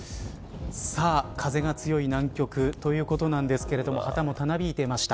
さあ、風が強い南極ということなんですけれども旗もたなびいていました。